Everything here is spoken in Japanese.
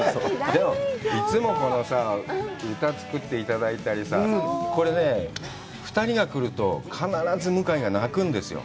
でもいつもこの歌作っていただいたりさ、これね、２人が来ると、必ず向井が泣くんですよ。